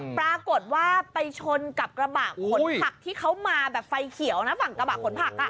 ปรากฏว่าไปชนกับกระบะขนผักที่เขามาแบบไฟเขียวนะฝั่งกระบะขนผักอ่ะ